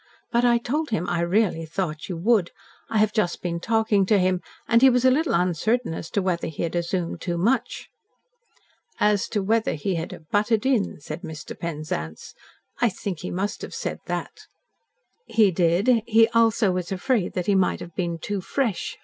"But I told him I really thought you would. I have just been talking to him, and he was a little uncertain as to whether he had assumed too much." "As to whether he had 'butted in,'" said Mr. Penzance. "I think he must have said that." "He did. He also was afraid that he might have been 'too fresh.'"